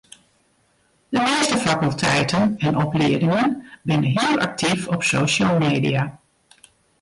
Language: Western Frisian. De measte fakulteiten en opliedingen binne hiel aktyf op social media.